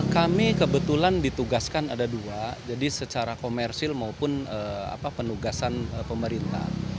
kami kebetulan ditugaskan ada dua jadi secara komersil maupun penugasan pemerintah